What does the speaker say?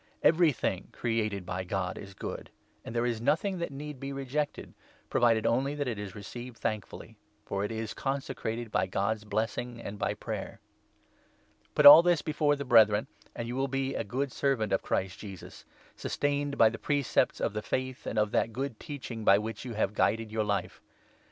Everything created by God is good, and there is nothing 4 that need be rejected — provided only that it is received thankfully ; for it is consecrated by God's blessing and' ]by 5 prayer. Put all this before the Brethren, and you will be a good 6 servant of Christ Jesus, sustained by the precepts of the Faith and of that Good Teaching by which you have guided your life.